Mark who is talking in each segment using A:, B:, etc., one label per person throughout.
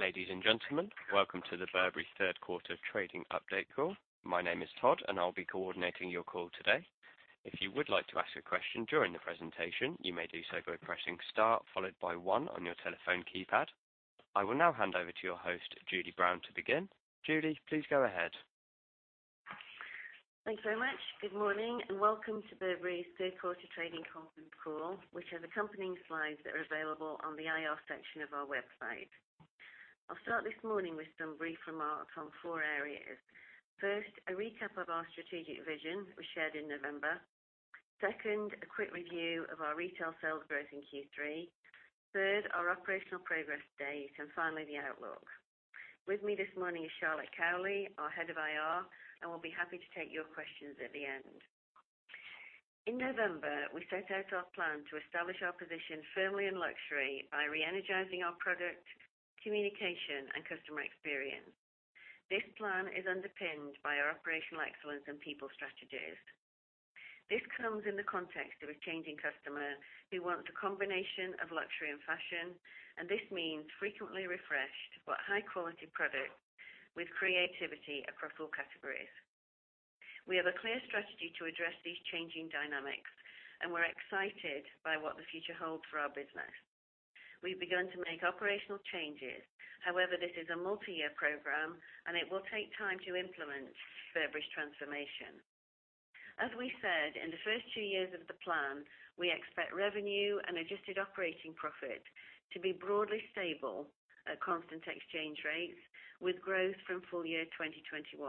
A: Ladies and gentlemen, welcome to the Burberry third quarter trading update call. My name is Todd, and I will be coordinating your call today. If you would like to ask a question during the presentation, you may do so by pressing Star followed by one on your telephone keypad. I will now hand over to your host, Julie Brown, to begin. Julie, please go ahead.
B: Thanks very much. Good morning, welcome to Burberry's third quarter trading conference call, which have accompanying slides that are available on the IR section of our website. I will start this morning with some brief remarks on four areas. First, a recap of our strategic vision we shared in November. Second, a quick review of our retail sales growth in Q3. Third, our operational progress to date, and finally, the outlook. With me this morning is Charlotte Cowley, our Head of IR, and we will be happy to take your questions at the end. In November, we set out our plan to establish our position firmly in luxury by re-energizing our product, communication, and customer experience. This plan is underpinned by our operational excellence and people strategies. This comes in the context of a changing customer who wants a combination of luxury and fashion. This means frequently refreshed but high-quality product with creativity across all categories. We have a clear strategy to address these changing dynamics. We are excited by what the future holds for our business. We have begun to make operational changes. However, this is a multi-year program. It will take time to implement Burberry's transformation. As we said, in the first two years of the plan, we expect revenue and adjusted operating profit to be broadly stable at constant exchange rates with growth from full year 2021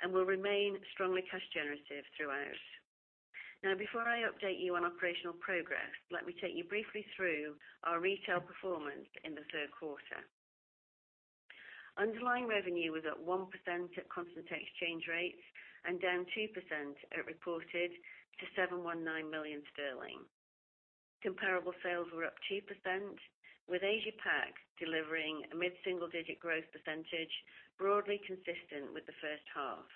B: and will remain strongly cash generative throughout. Before I update you on operational progress, let me take you briefly through our retail performance in the third quarter. Underlying revenue was up 1% at constant exchange rates and down 2% at reported to 719 million sterling. Comparable sales were up 2%, with Asia Pac delivering a mid-single-digit growth %, broadly consistent with the first half.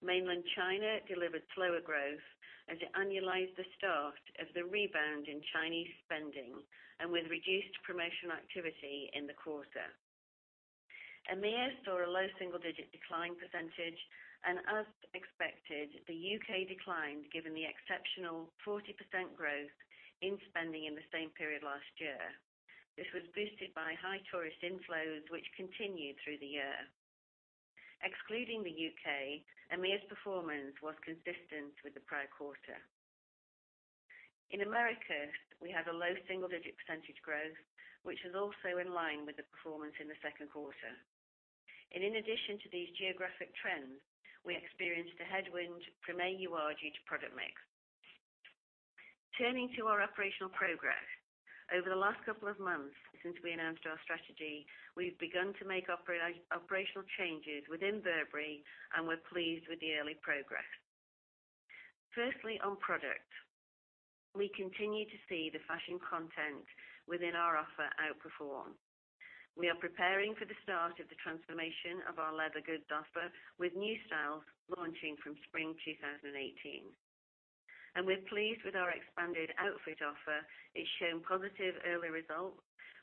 B: Mainland China delivered slower growth as it annualized the start of the rebound in Chinese spending and with reduced promotional activity in the quarter. EMEA saw a low single-digit decline %. As expected, the U.K. declined given the exceptional 40% growth in spending in the same period last year. This was boosted by high tourist inflows, which continued through the year. Excluding the U.K., EMEA's performance was consistent with the prior quarter. In America, we had a low single-digit % growth, which is also in line with the performance in the second quarter. In addition to these geographic trends, we experienced a headwind from AUR due to product mix. Turning to our operational progress. Over the last couple of months since we announced our strategy, we've begun to make operational changes within Burberry, and we're pleased with the early progress. Firstly, on product, we continue to see the fashion content within our offer outperform. We are preparing for the start of the transformation of our leather goods offer, with new styles launching from spring 2018. We're pleased with our expanded outfit offer. It's shown positive early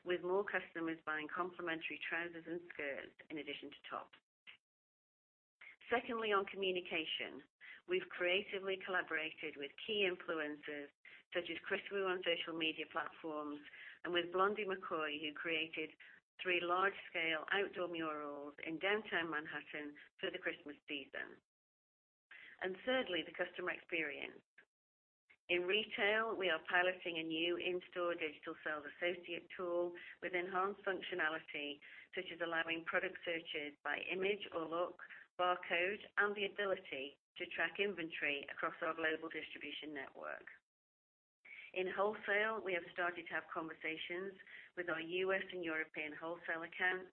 B: results, with more customers buying complimentary trousers and skirts in addition to tops. Secondly, on communication. We've creatively collaborated with key influencers such as Kris Wu on social media platforms and with Blondey McCoy, who created three large-scale outdoor murals in downtown Manhattan for the Christmas season. Thirdly, the customer experience. In retail, we are piloting a new in-store digital sales associate tool with enhanced functionality, such as allowing product searches by image or look, barcode, and the ability to track inventory across our global distribution network. In wholesale, we have started to have conversations with our U.S. and European wholesale accounts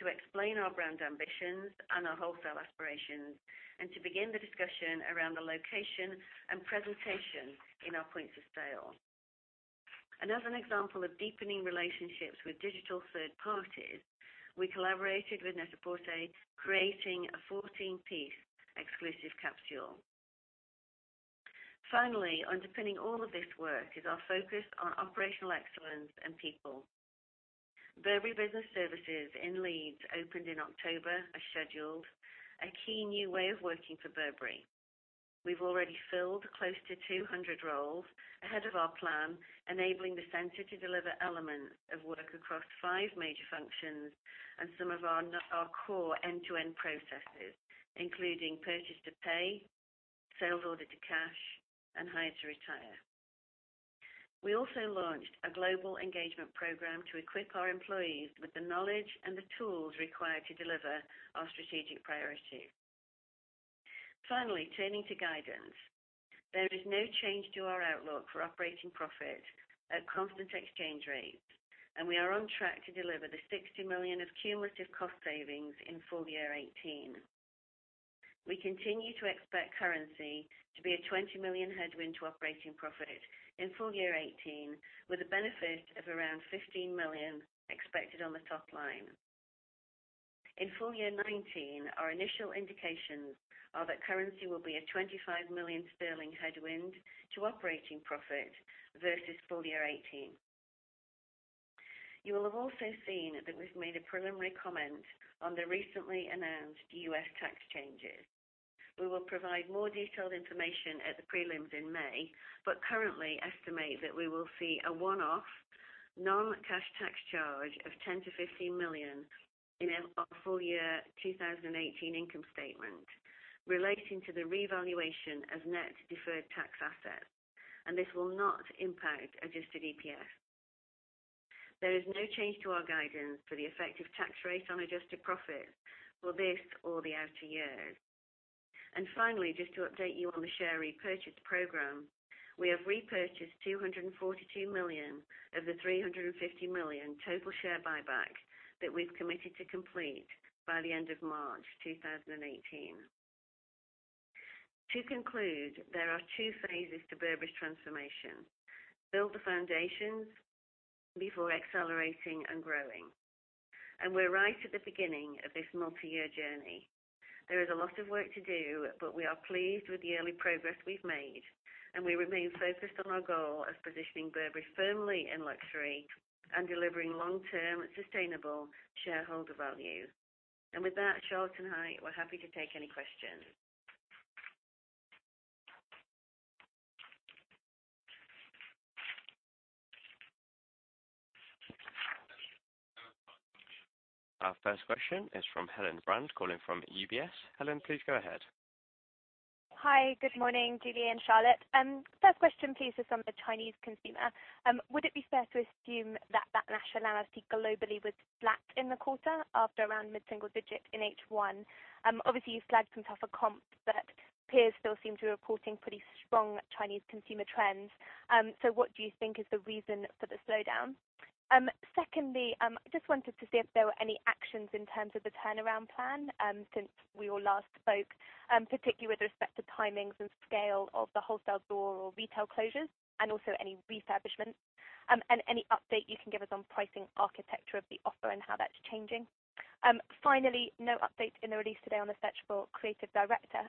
B: to explain our brand ambitions and our wholesale aspirations and to begin the discussion around the location and presentation in our points of sale. As an example of deepening relationships with digital third parties, we collaborated with NET-A-PORTER, creating a 14-piece exclusive capsule. Finally, underpinning all of this work is our focus on operational excellence and people. Burberry Business Services in Leeds opened in October as scheduled, a key new way of working for Burberry. We've already filled close to 200 roles ahead of our plan, enabling the center to deliver elements of work across five major functions and some of our core end-to-end processes, including purchase to pay, sales order to cash, and hire to retire. We also launched a global engagement program to equip our employees with the knowledge and the tools required to deliver our strategic priority. Finally, turning to guidance. There is no change to our outlook for operating profit at constant exchange rates, and we are on track to deliver the 60 million of cumulative cost savings in full year 2018. We continue to expect currency to be a 20 million headwind to operating profit in full year 2018, with a benefit of around 15 million expected on the top line. In full year 2019, our initial indications are that currency will be a 25 million sterling headwind to operating profit versus full year 2018. You will have also seen that we've made a preliminary comment on the recently announced U.S. tax changes. We will provide more detailed information at the prelims in May, but currently estimate that we will see a one-off non-cash tax charge of 10 million-15 million in our full year 2018 income statement relating to the revaluation of net deferred tax assets, and this will not impact adjusted EPS. There is no change to our guidance for the effective tax rate on adjusted profit for this or the out years. Finally, just to update you on the share repurchase program, we have repurchased 242 million of the 350 million total share buyback that we've committed to complete by the end of March 2018. To conclude, there are 2 phases to Burberry's transformation, build the foundations before accelerating and growing. We're right at the beginning of this multi-year journey. There is a lot of work to do, but we are pleased with the early progress we've made, and we remain focused on our goal of positioning Burberry firmly in luxury and delivering long-term sustainable shareholder value. With that, Charlotte and I, we're happy to take any questions.
A: Our first question is from Helen Brand calling from UBS. Helen, please go ahead.
C: Hi, good morning, Julie and Charlotte. First question please is on the Chinese consumer. Would it be fair to assume that that nationality globally was flat in the quarter after around mid-single digit in H1? Obviously, you flagged some tougher comps, but peers still seem to be reporting pretty strong Chinese consumer trends. What do you think is the reason for the slowdown? Secondly, just wanted to see if there were any actions in terms of the turnaround plan since we all last spoke, particularly with respect to timings and scale of the wholesale store or retail closures and also any refurbishments. Any update you can give us on pricing architecture of the offer and how that's changing. Finally, no updates in the release today on the search for creative director.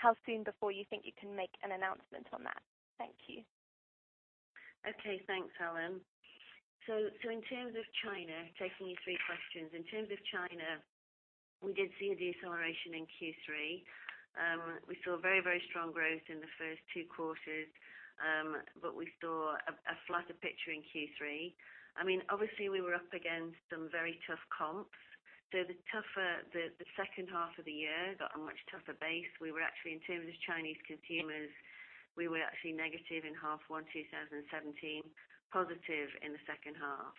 C: How soon before you think you can make an announcement on that? Thank you.
B: Thanks, Helen. In terms of China, taking your three questions. In terms of China, we did see a deceleration in Q3. We saw very strong growth in the first 2 quarters, but we saw a flatter picture in Q3. Obviously, we were up against some very tough comps. The second half of the year got a much tougher base. In terms of Chinese consumers, we were actually negative in half 1 2017, positive in the second half.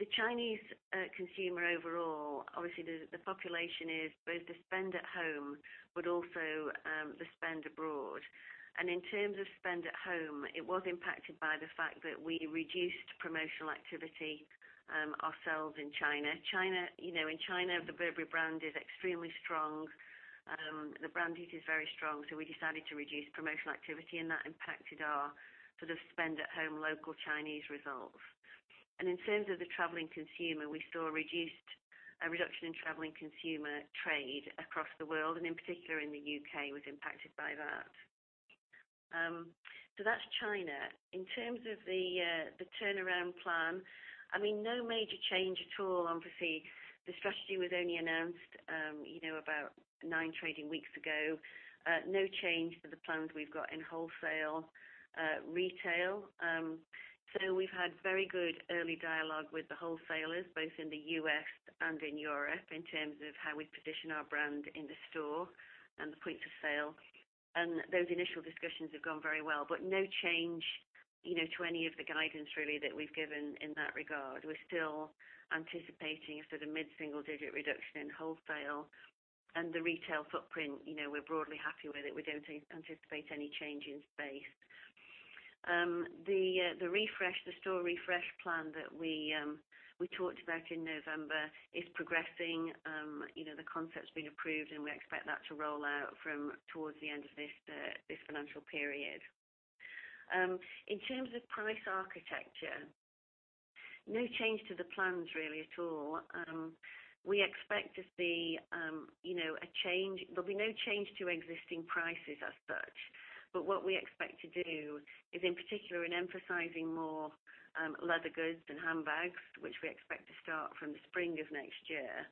B: The Chinese consumer overall, obviously the population is both the spend at home, but also the spend abroad. In terms of spend at home, it was impacted by the fact that we reduced promotional activity ourselves in China. In China, the Burberry brand is extremely strong. The brand heat is very strong. We decided to reduce promotional activity, and that impacted our sort of spend at home local Chinese results. In terms of the traveling consumer, we saw a reduction in traveling consumer trade across the world, and in particular in the U.K. was impacted by that. That's China. In terms of the turnaround plan, no major change at all. Obviously, the strategy was only announced about nine trading weeks ago. No change to the plans we've got in wholesale, retail. We've had very good early dialogue with the wholesalers, both in the U.S. and in Europe, in terms of how we position our brand in the store and the point of sale. Those initial discussions have gone very well, but no change to any of the guidance really that we've given in that regard. We're still anticipating a sort of mid-single digit reduction in wholesale and the retail footprint, we're broadly happy with it. We don't anticipate any change in space. The refresh, the store refresh plan that we talked about in November is progressing. The concept's been approved. We expect that to roll out from towards the end of this financial period. In terms of price architecture, no change to the plans really at all. There'll be no change to existing prices as such. What we expect to do is, in particular in emphasizing more leather goods and handbags, which we expect to start from the spring of next year.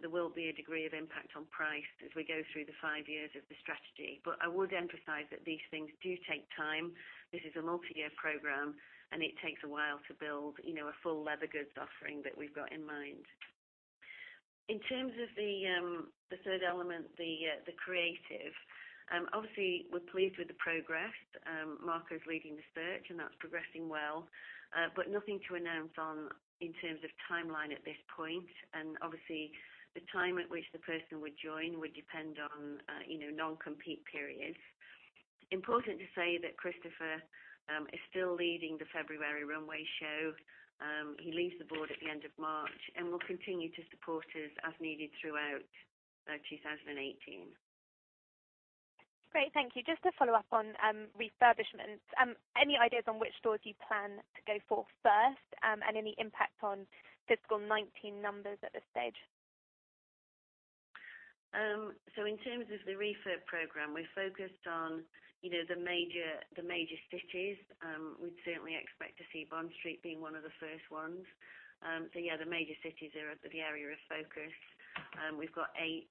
B: There will be a degree of impact on price as we go through the five years of the strategy. I would emphasize that these things do take time. This is a multi-year program. It takes a while to build a full leather goods offering that we've got in mind. In terms of the third element, the creative, obviously we're pleased with the progress. Marco's leading the search, and that's progressing well. Nothing to announce on in terms of timeline at this point. Obviously the time at which the person would join would depend on non-compete periods. Important to say that Christopher is still leading the February runway show. He leaves the board at the end of March and will continue to support us as needed throughout 2018.
C: Great. Thank you. Just to follow up on refurbishments. Any ideas on which stores you plan to go for first? Any impact on fiscal 2019 numbers at this stage?
B: In terms of the refurb program, we're focused on the major cities. We'd certainly expect to see Bond Street being one of the first ones. Yeah, the major cities are the area of focus. We've got eight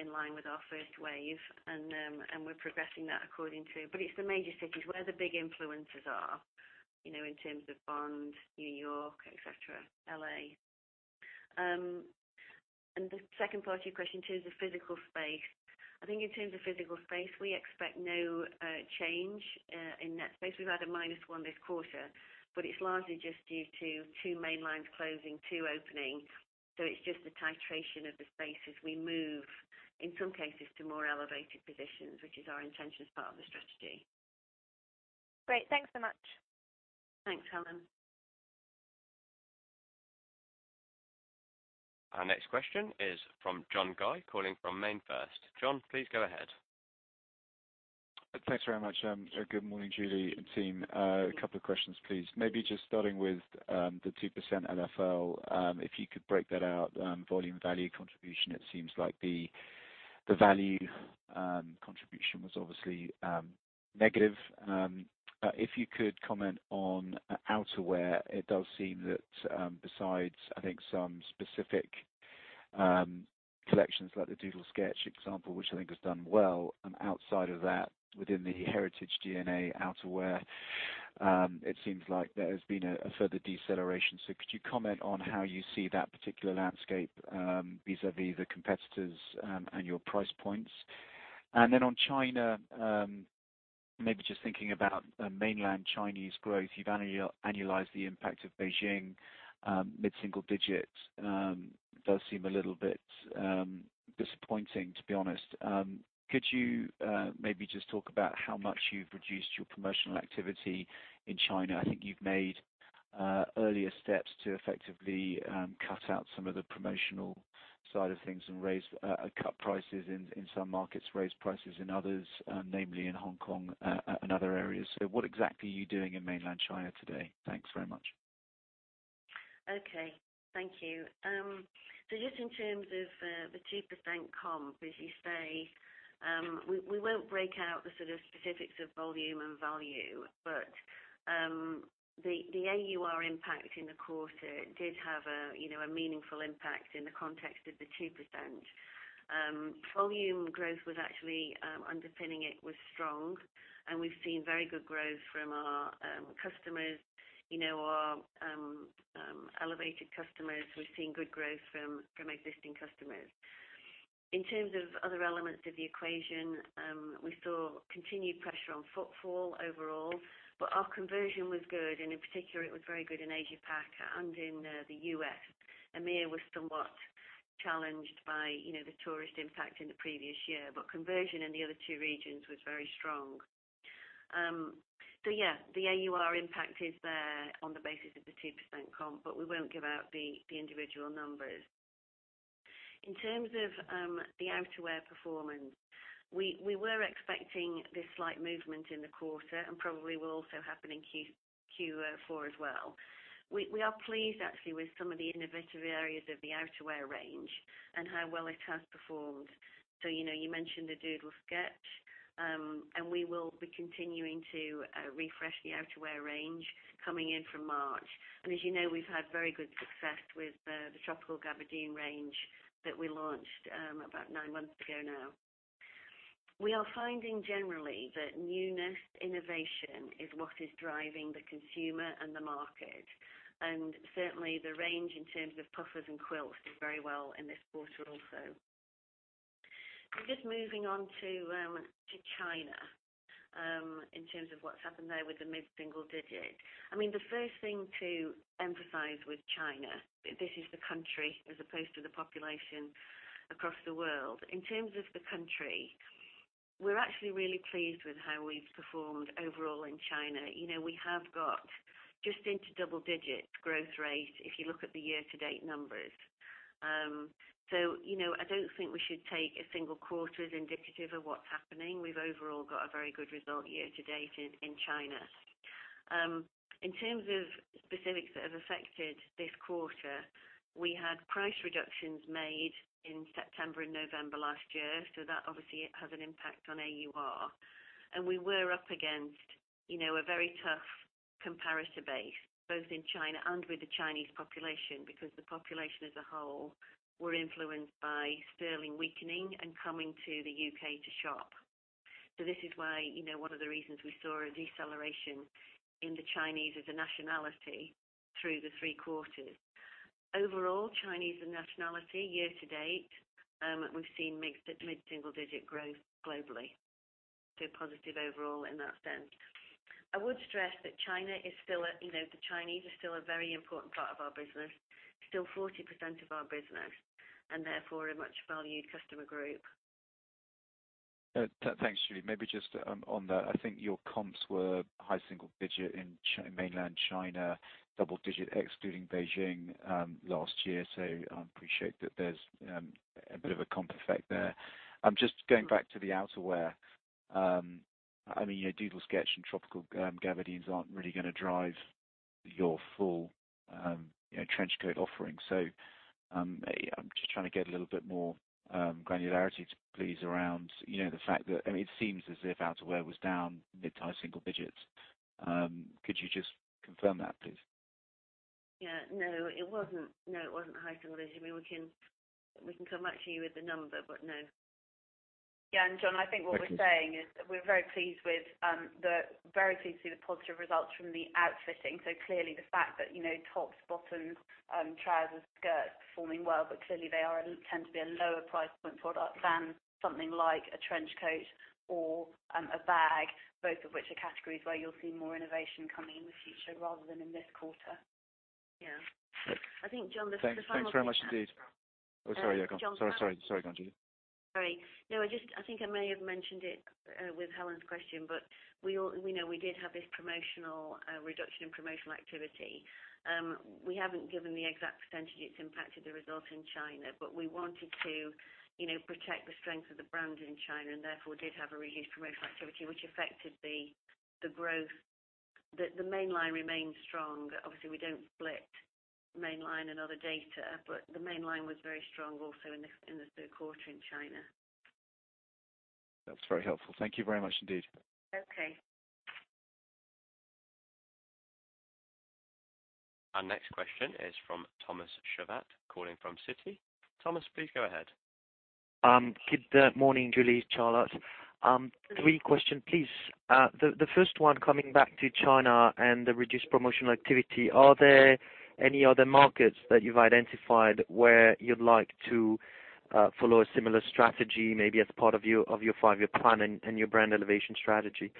B: in line with our first wave, and we're progressing that accordingly. It's the major cities where the big influencers are, in terms of Bond, New York, et cetera, L.A. The second part of your question, too, is the physical space. I think in terms of physical space, we expect no change in net space. We've had a minus one this quarter, but it's largely just due to two main lines closing, two opening. It's just the titration of the space as we move, in some cases, to more elevated positions, which is our intention as part of the strategy.
C: Great. Thanks so much.
B: Thanks, Helen.
A: Our next question is from John Guy calling from MainFirst. John, please go ahead.
D: Thanks very much. Good morning, Julie and team. A couple of questions, please. Maybe just starting with the 2% LFL, if you could break that out, volume, value contribution. It seems like the value contribution was obviously negative. If you could comment on outerwear. It does seem that besides, I think, some specific collections like the Doodle Collection example, which I think has done well, outside of that, within the heritage DNA outerwear, it seems like there's been a further deceleration. Could you comment on how you see that particular landscape vis-a-vis the competitors and your price points? Then on China, maybe just thinking about Mainland Chinese growth. You've annualized the impact of Beijing, mid-single digit. Does seem a little bit disappointing, to be honest. Could you maybe just talk about how much you've reduced your promotional activity in China? I think you've made earlier steps to effectively cut out some of the promotional side of things and cut prices in some markets, raised prices in others, namely in Hong Kong and other areas. What exactly are you doing in mainland China today? Thanks very much.
B: Okay. Thank you. Just in terms of the 2% comp, as you say, we won't break out the sort of specifics of volume and value. The AUR impact in the quarter did have a meaningful impact in the context of the 2%. Volume growth was actually underpinning it was strong, and we've seen very good growth from our customers, our elevated customers. We've seen good growth from existing customers. In terms of other elements of the equation, we saw continued pressure on footfall overall, but our conversion was good, and in particular, it was very good in Asia Pac and in the U.S. EMEA was somewhat challenged by the tourist impact in the previous year, but conversion in the other two regions was very strong. Yeah, the AUR impact is there on the basis of the 2% comp, but we won't give out the individual numbers. In terms of the outerwear performance, we were expecting this slight movement in the quarter and probably will also happen in Q4 as well. We are pleased actually with some of the innovative areas of the outerwear range and how well it has performed. You mentioned the Doodle Collection, and we will be continuing to refresh the outerwear range coming in from March. As you know, we've had very good success with the Tropical Gabardine range that we launched about nine months ago now. We are finding generally that newness innovation is what is driving the consumer and the market. Certainly, the range in terms of puffers and quilts did very well in this quarter also. Just moving on to China, in terms of what's happened there with the mid-single digit. The first thing to emphasize with China, this is the country as opposed to the population across the world. In terms of the country, we're actually really pleased with how we've performed overall in China. We have got just into double-digit growth rate if you look at the year-to-date numbers. I don't think we should take a single quarter as indicative of what's happening. We've overall got a very good result year-to-date in China. In terms of specifics that have affected this quarter, we had price reductions made in September and November last year, so that obviously has an impact on AUR. We were up against a very tough comparator base, both in China and with the Chinese population, because the population as a whole were influenced by sterling weakening and coming to the U.K. to shop. This is one of the reasons we saw a deceleration in the Chinese as a nationality through the 3 quarters. Overall, Chinese as a nationality year-to-date, we've seen mid-single-digit growth globally. Positive overall in that sense. I would stress that the Chinese are still a very important part of our business, still 40% of our business, and therefore a much valued customer group.
D: Thanks, Julie. Maybe just on that, I think your comps were high-single-digit in mainland China, double-digit excluding Beijing last year. I appreciate that there's a bit of a comp effect there. Just going back to the outerwear. Doodle Collection and Tropical Gabardines aren't really going to drive your full trench coat offering. I'm just trying to get a little bit more granularity, please, around the fact that it seems as if outerwear was down mid-to-high single-digits. Could you just confirm that, please?
B: Yeah. No, it wasn't high-single-digits. We can come back to you with the number, but no.
E: Yeah. John, I think what we're saying is that we're very pleased to see the positive results from the outfitting. Clearly the fact that tops, bottoms, trousers, skirts performing well, but clearly they tend to be a lower price point product than something like a trench coat or a bag, both of which are categories where you'll see more innovation coming in the future rather than in this quarter.
B: Yeah. I think John, the final-
D: Thanks very much indeed. Oh, sorry, go on.
B: John-
D: Sorry, go on, Julie.
B: Sorry. I think I may have mentioned it with Helen's question. We did have this reduction in promotional activity. We haven't given the exact percentage it's impacted the result in China. We wanted to protect the strength of the brand in China and therefore did have a reduced promotional activity which affected the growth. The mainline remains strong. Obviously, we don't split mainline and other data. The mainline was very strong also in the third quarter in China.
D: That's very helpful. Thank you very much indeed.
B: Okay.
A: Our next question is from Thomas Chauvet, calling from Citi. Thomas, please go ahead.
F: Good morning, Julie, Charlotte. Three question, please. The first one, coming back to China and the reduced promotional activity. Are there any other markets that you've identified where you'd like to follow a similar strategy, maybe as part of your five-year plan and your brand elevation strategy?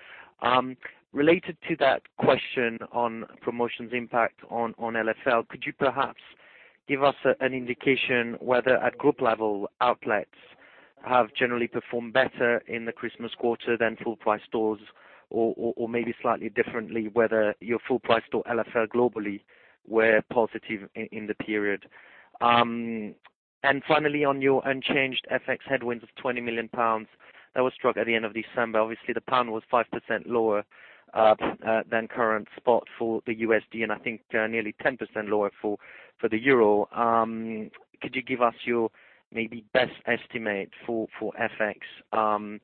F: Related to that question on promotions impact on LFL, could you perhaps give us an indication whether at group level, outlets have generally performed better in the Christmas quarter than full price stores, or maybe slightly differently, whether your full price store LFL globally were positive in the period? Finally, on your unchanged FX headwinds of 20 million pounds, that was struck at the end of December. Obviously, the pound was 5% lower than current spot for the USD, I think nearly 10% lower for the EUR. Could you give us your maybe best estimate for FX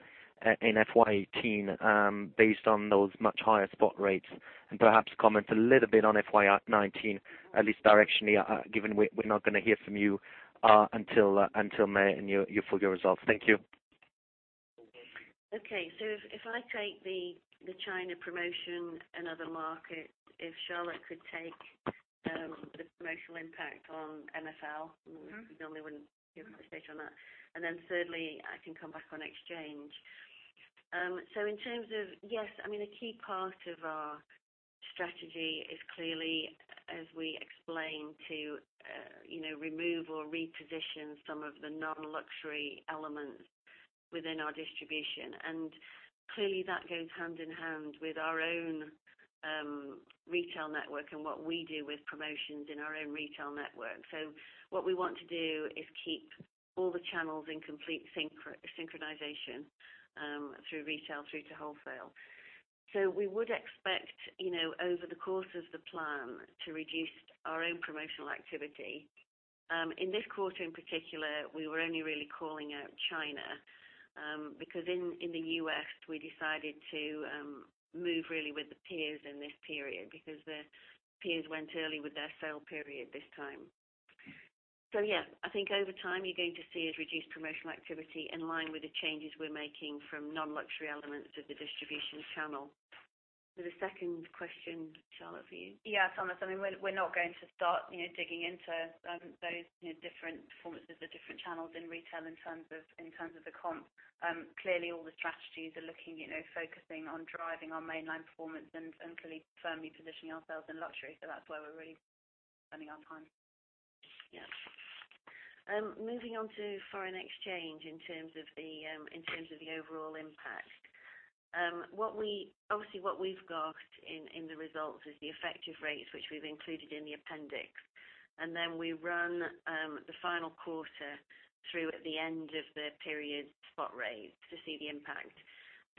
F: in FY 2018, based on those much higher spot rates? Perhaps comment a little bit on FY 2019, at least directionally, given we're not going to hear from you until May in your full year results. Thank you.
B: Okay. If I take the China promotion and other markets, if Charlotte could take the promotional impact on LFL. You normally wouldn't give a position on that. Then thirdly, I can come back on exchange. In terms of, yes, a key part of our strategy is clearly, as we explained, to remove or reposition some of the non-luxury elements within our distribution. Clearly that goes hand in hand with our own retail network and what we do with promotions in our own retail network. What we want to do is keep all the channels in complete synchronization through retail through to wholesale. We would expect, over the course of the plan, to reduce our own promotional activity. In this quarter in particular, we were only really calling out China, because in the U.S., we decided to move really with the peers in this period because the peers went early with their sale period this time. Yeah, I think over time you're going to see us reduce promotional activity in line with the changes we're making from non-luxury elements of the distribution channel. The second question, Charlotte, for you?
E: Thomas. We're not going to start digging into those different performances of different channels in retail in terms of the comp. Clearly, all the strategies are looking, focusing on driving our mainline performance and clearly firmly positioning ourselves in luxury. That's where we're really spending our time.
B: Moving on to foreign exchange in terms of the overall impact. Obviously, what we've got in the results is the effective rates, which we've included in the appendix. We ran the final quarter through at the end of the period spot rates to see the impact.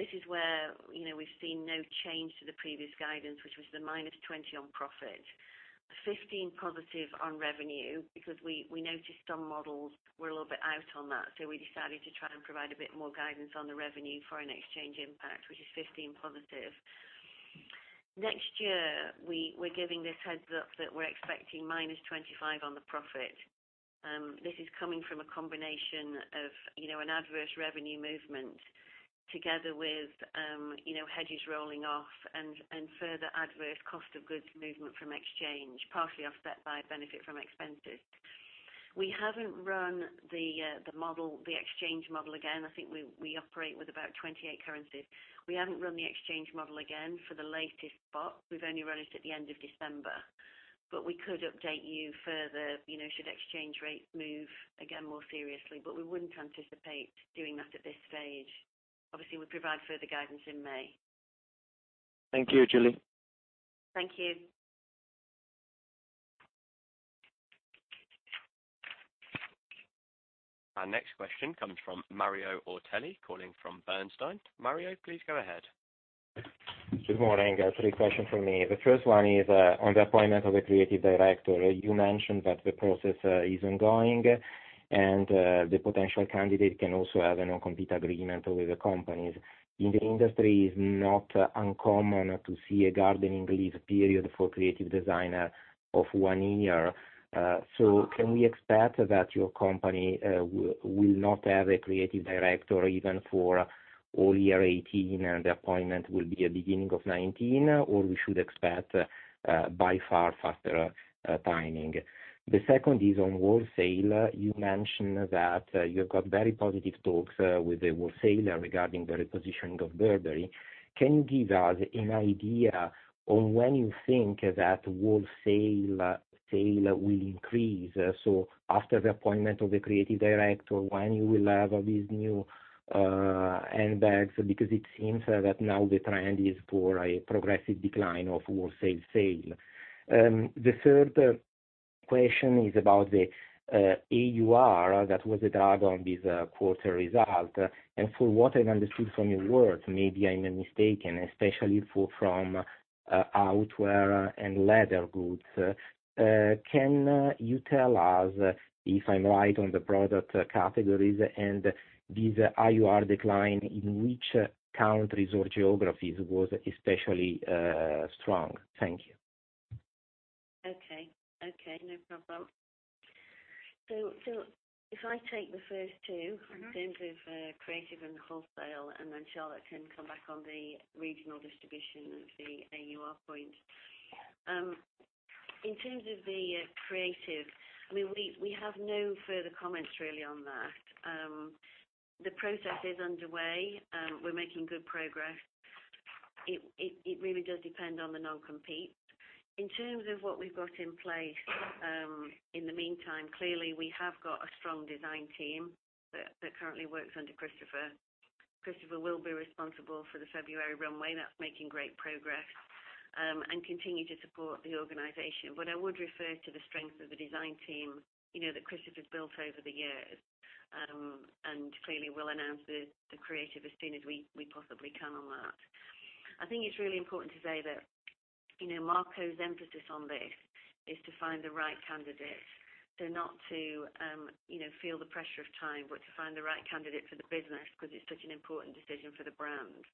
B: This is where we've seen no change to the previous guidance, which was the -20 on profit, 15 positive on revenue. Because we noticed some models were a little bit out on that, we decided to try and provide a bit more guidance on the revenue foreign exchange impact, which is 15 positive. Next year, we're giving this heads up that we're expecting -25 on the profit. This is coming from a combination of an adverse revenue movement together with hedges rolling off and further adverse cost of goods movement from exchange, partially offset by a benefit from expenses. We haven't run the exchange model again. I think we operate with about 28 currencies. We haven't run the exchange model again for the latest spot. We've only run it at the end of December. We could update you further should exchange rates move again more seriously, but we wouldn't anticipate doing that at this stage. Obviously, we provide further guidance in May.
F: Thank you, Julie.
B: Thank you.
A: Our next question comes from Mario Ortelli, calling from Bernstein. Mario, please go ahead.
G: Good morning. Three questions from me. The first one is on the appointment of the creative director. You mentioned that the process is ongoing, and the potential candidate can also have a non-compete agreement with other companies. In the industry, it is not uncommon to see a gardening leave period for creative designer of one year. Can we expect that your company will not have a creative director even for all year 2018, and the appointment will be at beginning of 2019, or we should expect by far faster timing? The second is on wholesale. You mentioned that you've got very positive talks with the wholesaler regarding the repositioning of Burberry. Can you give us an idea on when you think that wholesale will increase? After the appointment of the creative director, when you will have these new handbags? It seems that now the trend is for a progressive decline of wholesale sale. The third question is about the AUR that was the add-on this quarter result, and from what I've understood from your words, maybe I'm mistaken, especially from outerwear and leather goods. Can you tell us if I'm right on the product categories and this AUR decline, in which countries or geographies was especially strong? Thank you.
B: Okay. No problem. If I take the first two. In terms of creative and wholesale, and then Charlotte can come back on the regional distribution and the AUR point. In terms of the creative, we have no further comments really on that. The process is underway. We're making good progress. It really does depend on the non-compete. In terms of what we've got in place, in the meantime, clearly, we have got a strong design team that currently works under Christopher. Christopher will be responsible for the February runway, that's making great progress, and continue to support the organization. I would refer to the strength of the design team that Christopher's built over the years. Clearly we'll announce the creative as soon as we possibly can on that. I think it's really important to say that Marco's emphasis on this is to find the right candidate. Not to feel the pressure of time, but to find the right candidate for the business because it's such an important decision for the brand.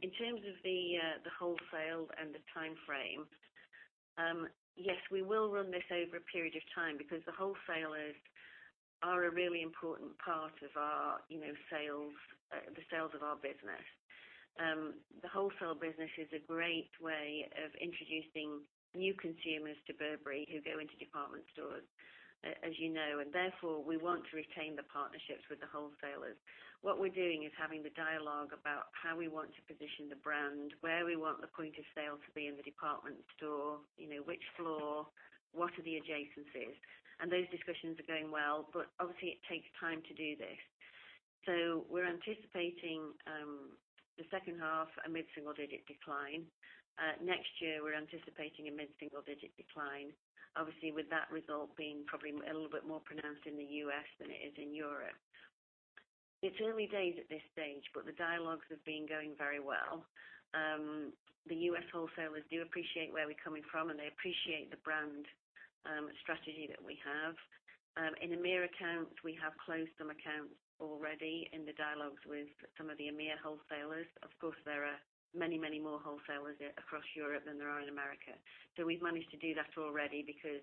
B: In terms of the wholesale and the timeframe, yes, we will run this over a period of time because the wholesalers are a really important part of the sales of our business. The wholesale business is a great way of introducing new consumers to Burberry who go into department stores, as you know. Therefore, we want to retain the partnerships with the wholesalers. What we're doing is having the dialogue about how we want to position the brand, where we want the point of sale to be in the department store, which floor, what are the adjacencies. Those discussions are going well, but obviously it takes time to do this. We're anticipating the second half, a mid-single digit decline. Next year, we're anticipating a mid-single digit decline. Obviously, with that result being probably a little bit more pronounced in the U.S. than it is in Europe. It's early days at this stage, but the dialogues have been going very well. The U.S. wholesalers do appreciate where we're coming from, and they appreciate the brand strategy that we have. In the EMEA accounts, we have closed some accounts already in the dialogues with some of the EMEA wholesalers. Of course, there are many, many more wholesalers across Europe than there are in America. We've managed to do that already because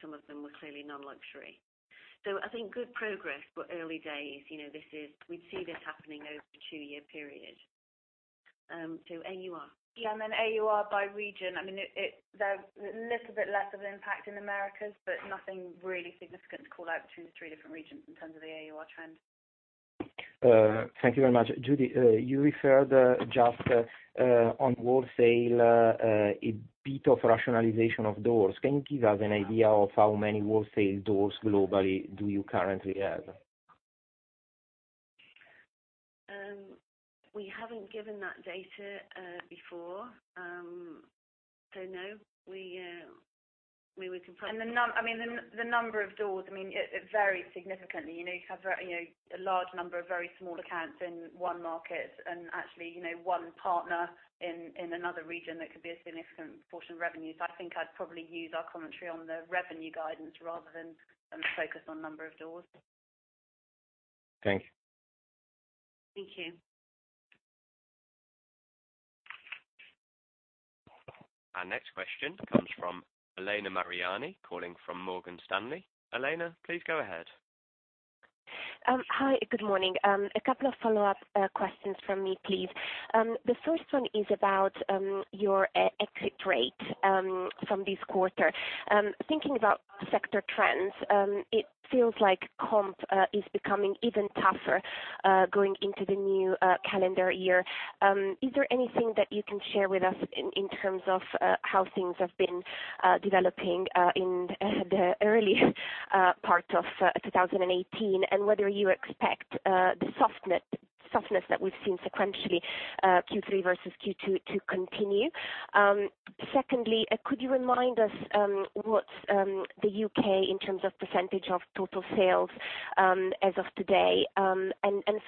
B: some of them were clearly non-luxury. I think good progress, but early days. We'd see this happening over a two-year period. AUR.
E: Yeah, and then AUR by region. There's a little bit less of an impact in Americas, but nothing really significant to call out between the three different regions in terms of the AUR trend.
G: Thank you very much. Julie, you referred just on wholesale, a bit of rationalization of doors. Can you give us an idea of how many wholesale doors globally do you currently have?
B: We haven't given that data before. No.
E: The number of doors, it varies significantly. You can have a large number of very small accounts in one market and actually one partner in another region that could be a significant portion of revenue. I think I'd probably use our commentary on the revenue guidance rather than focus on number of doors.
G: Thank you.
B: Thank you.
A: Our next question comes from Elena Mariani, calling from Morgan Stanley. Elena, please go ahead.
H: Hi. Good morning. A couple of follow-up questions from me, please. The first one is about your exit rate from this quarter. Thinking about sector trends, it feels like comp is becoming even tougher, going into the new calendar year. Is there anything that you can share with us in terms of how things have been developing in the early part of 2018, and whether you expect the softness that we've seen sequentially, Q3 versus Q2 to continue. Secondly, could you remind us what's the U.K. in terms of percentage of total sales as of today?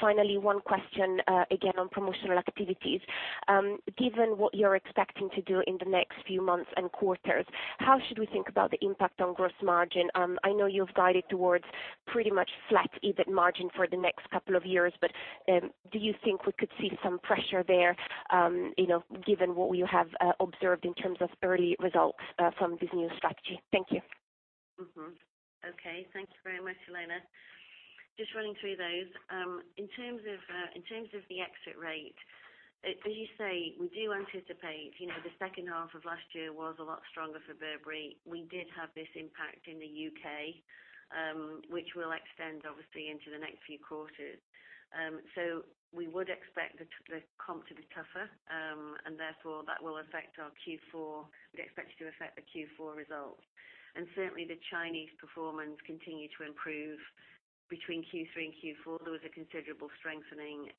H: Finally, one question again on promotional activities. Given what you're expecting to do in the next few months and quarters, how should we think about the impact on gross margin? I know you've guided towards pretty much flat EBIT margin for the next couple of years, but do you think we could see some pressure there given what you have observed in terms of early results from this new strategy? Thank you.
B: Mm-hmm. Okay. Thank you very much, Elena. Just running through those. In terms of the exit rate, as you say, we do anticipate, the second half of last year was a lot stronger for Burberry. We did have this impact in the U.K., which will extend, obviously, into the next few quarters. We would expect the comp to be tougher, and therefore that will affect our Q4. We expect it to affect the Q4 results. Certainly, the Chinese performance continued to improve between Q3 and Q4. There was a considerable strengthening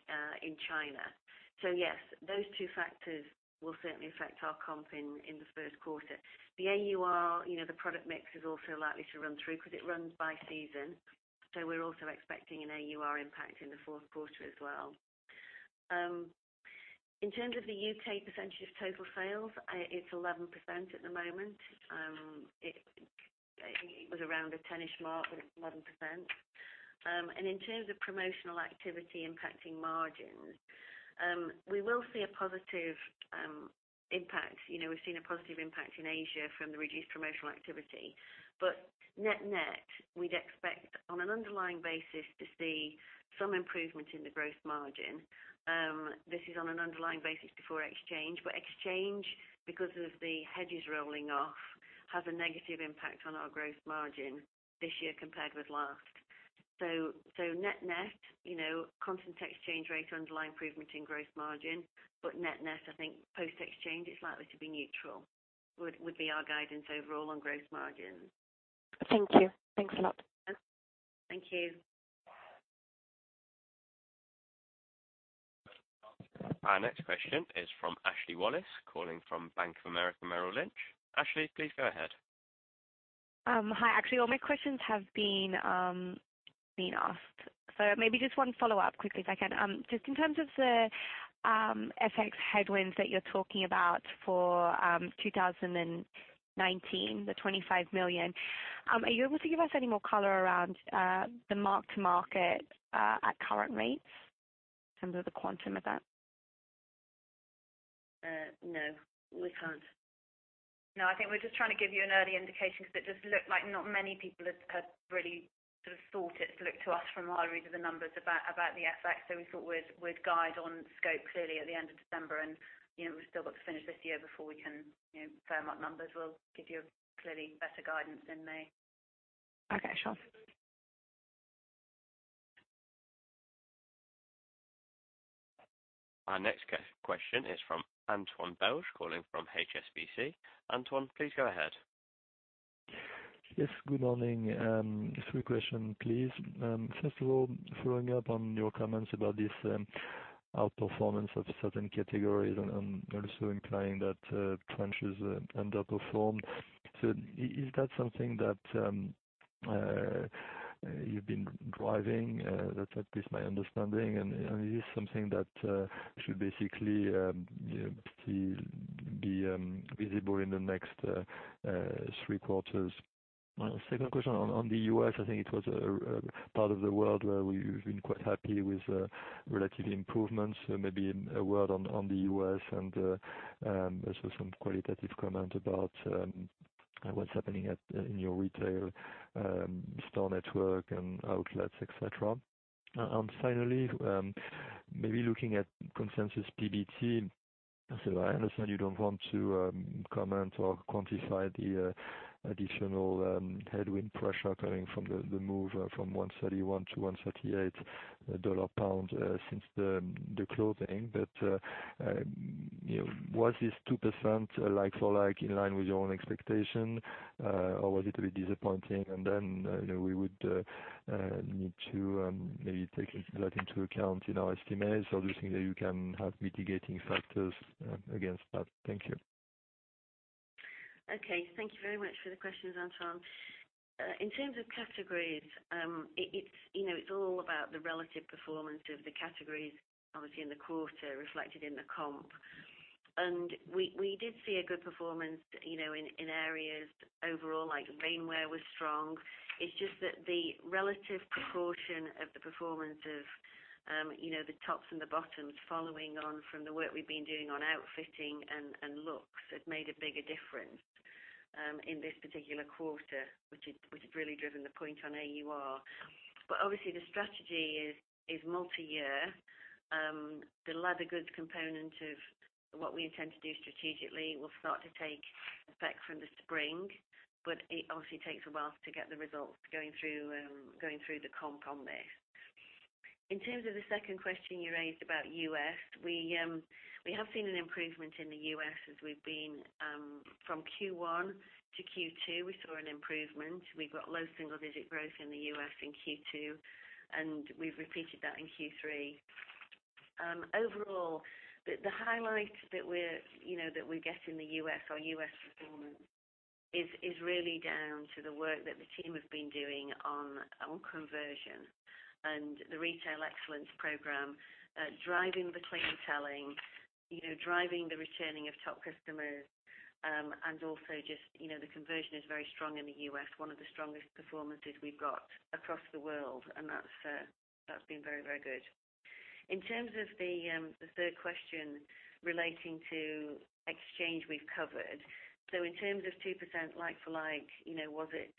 B: in China. Yes, those two factors will certainly affect our comp in the first quarter. The AUR, the product mix, is also likely to run through because it runs by season. We're also expecting an AUR impact in the fourth quarter as well. In terms of the U.K. percentage of total sales, it's 11% at the moment. It was around the 10-ish mark, but it's 11%. In terms of promotional activity impacting margins, we will see a positive impact. We've seen a positive impact in Asia from the reduced promotional activity. Net net, we'd expect, on an underlying basis, to see some improvement in the gross margin. This is on an underlying basis before exchange, but exchange, because of the hedges rolling off, has a negative impact on our gross margin this year compared with last. Net net, constant exchange rate underlying improvement in gross margin, but net net, I think post exchange, it's likely to be neutral, would be our guidance overall on gross margin.
H: Thank you. Thanks a lot.
B: Thank you.
A: Our next question is from Ashley Wallace, calling from Bank of America Merrill Lynch. Ashley, please go ahead.
I: Hi. Actually, all my questions have been asked, so maybe just one follow-up quickly if I can. Just in terms of the FX headwinds that you're talking about for 2019, the 25 million, are you able to give us any more color around the mark-to-market at current rates in terms of the quantum of that?
B: No, we can't. I think we're just trying to give you an early indication because it just looked like not many people had really sort of sought it, looked to us from our read of the numbers about the FX. We thought we'd guide on scope clearly at the end of December, and we've still got to finish this year before we can firm up numbers. We'll give you a clearly better guidance in May.
I: Okay, sure.
A: Our next question is from Antoine Belge, calling from HSBC. Antoine, please go ahead.
J: Yes, good morning. Three question, please. First of all, following up on your comments about this outperformance of certain categories and also implying that trenches underperformed. Is that something that you've been driving? That's at least my understanding, and is this something that should basically be visible in the next three quarters? Second question on the U.S., I think it was a part of the world where we've been quite happy with relative improvements, maybe a word on the U.S. and also some qualitative comment about what's happening in your retail store network and outlets, et cetera. Finally, maybe looking at consensus PBT. I understand you don't want to comment or quantify the additional headwind pressure coming from the move from $131-$138 pound since the closing. Was this 2% like for like in line with your own expectation, or was it a bit disappointing? We would need to maybe take that into account in our estimates. Do you think that you can have mitigating factors against that? Thank you.
B: Thank you very much for the questions, Antoine. In terms of categories, it's all about the relative performance of the categories, obviously in the quarter reflected in the comp. We did see a good performance in areas overall, like rainwear was strong. It's just that the relative proportion of the performance of the tops and the bottoms following on from the work we've been doing on outfitting and looks has made a bigger difference in this particular quarter, which has really driven the point on AUR. Obviously the strategy is multi-year. The leather goods component of what we intend to do strategically will start to take effect from the spring, but it obviously takes a while to get the results going through the comp on this. In terms of the second question you raised about U.S., we have seen an improvement in the U.S. as we've been from Q1 to Q2, we saw an improvement. We got low single-digit growth in the U.S. in Q2, and we've repeated that in Q3. Overall, the highlight that we get in the U.S., our U.S. performance, is really down to the work that the team have been doing on conversion and the retail excellence program, driving the clienteling, driving the returning of top customers, and also just the conversion is very strong in the U.S., one of the strongest performances we've got across the world, and that's been very good. In terms of the third question relating to exchange, we've covered. In terms of 2% like-for-like, was it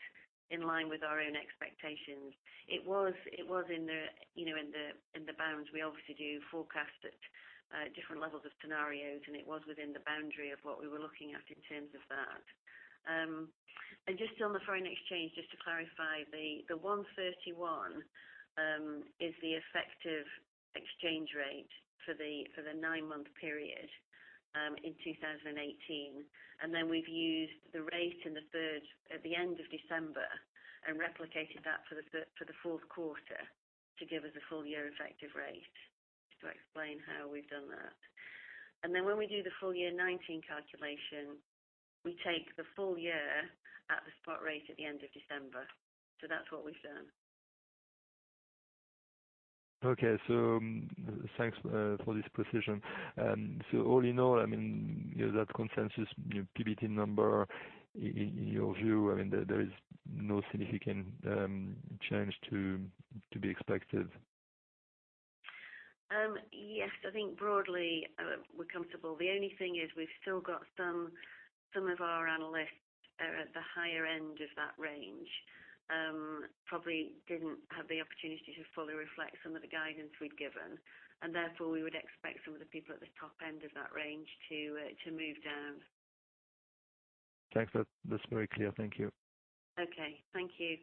B: in line with our own expectations? It was in the bounds. We obviously do forecast at different levels of scenarios, it was within the boundary of what we were looking at in terms of that. Just on the foreign exchange, just to clarify, the 131 is the effective exchange rate for the nine-month period in 2018. We've used the rate at the end of December and replicated that for the fourth quarter to give us a full-year effective rate. Just to explain how we've done that. When we do the full year 2019 calculation, we take the full year at the spot rate at the end of December. That's what we've done.
J: Thanks for this precision. All in all, that consensus PBT number, in your view, there is no significant change to be expected?
B: Yes, I think broadly, we're comfortable. The only thing is we've still got some of our analysts are at the higher end of that range. Probably didn't have the opportunity to fully reflect some of the guidance we'd given. Therefore we would expect some of the people at the top end of that range to move down.
J: Thanks. That's very clear. Thank you.
B: Okay. Thank you.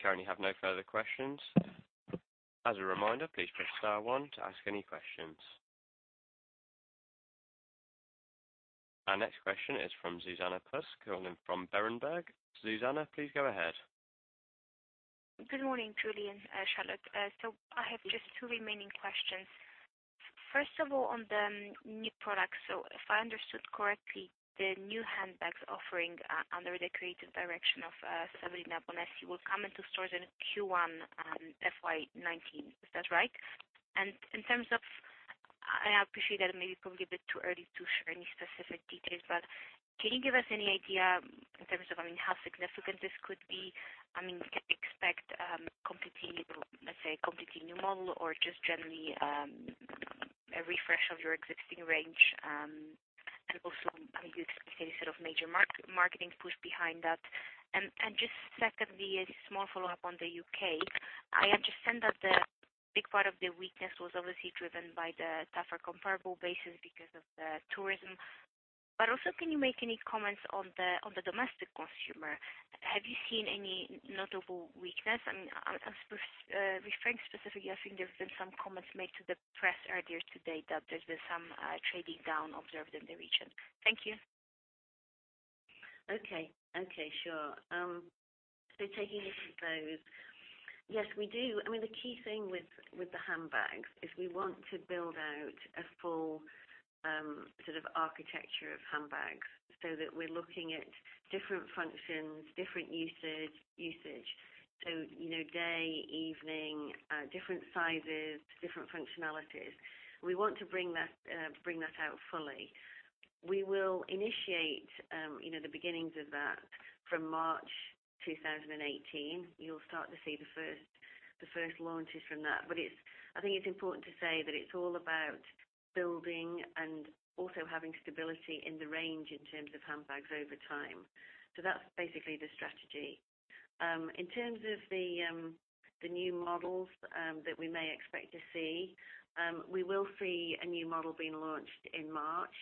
A: We currently have no further questions. As a reminder, please press star one to ask any questions. Our next question is from Zuzanna Pusz calling from Berenberg. Zuzanna, please go ahead.
K: Good morning, Julie and Charlotte. I have just two remaining questions. First of all, on the new products. If I understood correctly, the new handbags offering under the creative direction of Sabrina Bonesi will come into stores in Q1 FY 2019. Is that right? In terms of, I appreciate that it may be probably a bit too early to share any specific details, but can you give us any idea in terms of how significant this could be? Can we expect, let's say, a completely new model or just generally a refresh of your existing range? Do you expect any sort of major marketing push behind that? Just secondly, a small follow-up on the U.K. I understand that the big part of the weakness was obviously driven by the tougher comparable basis because of the tourism. Can you make any comments on the domestic consumer? Have you seen any notable weakness? I'm referring specifically, I think there's been some comments made to the press earlier today that there's been some trading down observed in the region. Thank you.
B: Okay. Sure. Taking each of those. Yes, we do. The key thing with the handbags is we want to build out a full architecture of handbags so that we're looking at different functions, different usage. Day, evening, different sizes, different functionalities. We want to bring that out fully. We will initiate the beginnings of that from March 2018. You'll start to see the first launches from that. I think it's important to say that it's all about building and also having stability in the range in terms of handbags over time. That's basically the strategy. In terms of the new models that we may expect to see, we will see a new model being launched in March,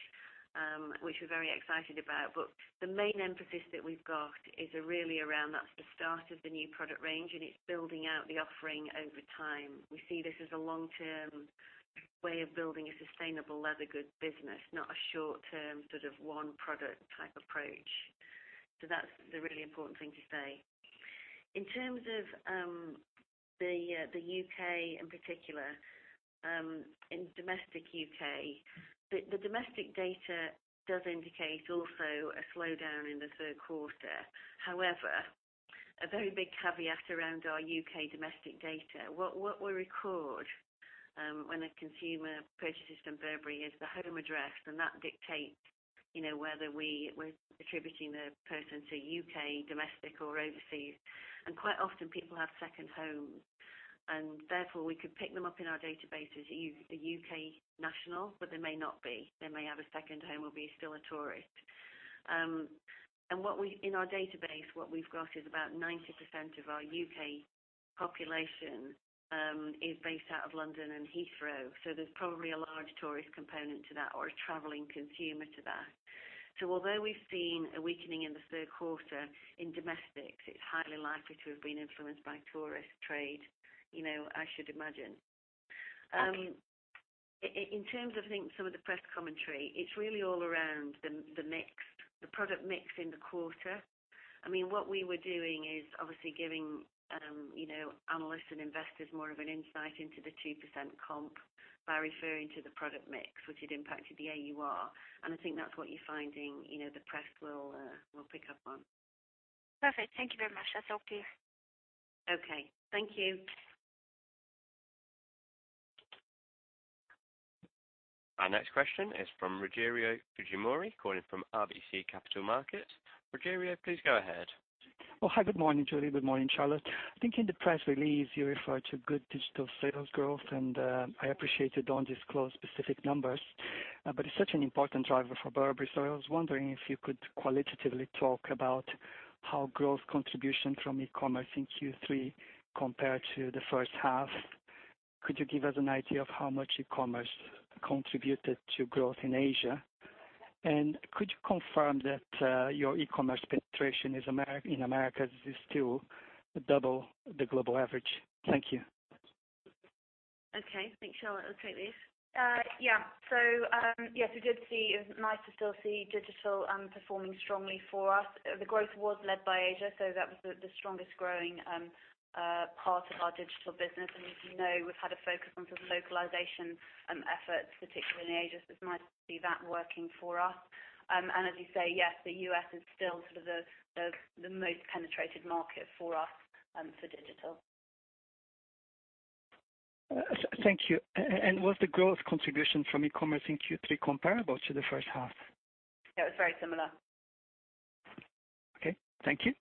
B: which we're very excited about. The main emphasis that we've got is really around, that's the start of the new product range, and it's building out the offering over time. We see this as a long-term way of building a sustainable leather goods business, not a short-term, one product type approach. That's the really important thing to say. In terms of the U.K. in particular, in domestic U.K., the domestic data does indicate also a slowdown in the third quarter. However, a very big caveat around our U.K. domestic data. What we record when a consumer purchases from Burberry is the home address, and that dictates whether we're attributing the person to U.K., domestic or overseas. Quite often people have second homes, and therefore, we could pick them up in our database as a U.K. national, but they may not be. They may have a second home or be still a tourist. In our database, what we've got is about 90% of our U.K. population is based out of London and Heathrow, so there's probably a large tourist component to that or a traveling consumer to that. Although we've seen a weakening in the third quarter in domestics, it's highly likely to have been influenced by tourist trade, I should imagine.
E: Okay.
B: In terms of, I think, some of the press commentary, it's really all around the mix, the product mix in the quarter. What we were doing is obviously giving analysts and investors more of an insight into the 2% comp by referring to the product mix, which had impacted the AUR. I think that's what you're finding, the press will pick up on.
K: Perfect. Thank you very much. That's helpful.
B: Okay. Thank you.
A: Our next question is from Rogerio Fujimori calling from RBC Capital Markets. Rogerio, please go ahead.
L: Well, hi. Good morning, Julie. Good morning, Charlotte. I think in the press release you refer to good digital sales growth, and I appreciate you don't disclose specific numbers. It's such an important driver for Burberry, so I was wondering if you could qualitatively talk about how growth contribution from e-commerce in Q3 compared to the first half. Could you give us an idea of how much e-commerce contributed to growth in Asia? Could you confirm that your e-commerce penetration in Americas is still double the global average? Thank you.
B: Okay. I think Charlotte will take this.
E: Yeah. Yes, we did see, it was nice to still see digital performing strongly for us. The growth was led by Asia, so that was the strongest growing part of our digital business. As you know, we've had a focus on sort of localization efforts, particularly in Asia. It's nice to see that working for us. As you say, yes, the U.S. is still sort of the most penetrated market for us for digital.
L: Thank you. Was the growth contribution from e-commerce in Q3 comparable to the first half?
E: Yeah, it was very similar.
L: Okay. Thank you.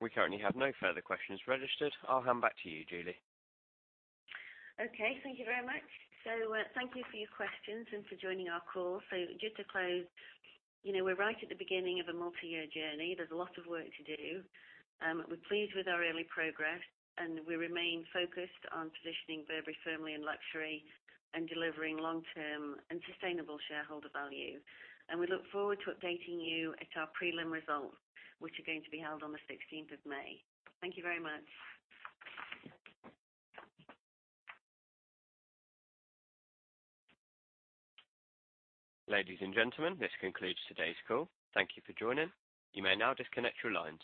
A: We currently have no further questions registered. I'll hand back to you, Julie.
B: Okay. Thank you very much. Thank you for your questions and for joining our call. Just to close, we're right at the beginning of a multi-year journey. There's a lot of work to do. We're pleased with our early progress, and we remain focused on positioning Burberry firmly in luxury and delivering long-term and sustainable shareholder value. We look forward to updating you at our prelim results, which are going to be held on the 16th of May. Thank you very much.
A: Ladies and gentlemen, this concludes today's call. Thank you for joining. You may now disconnect your lines.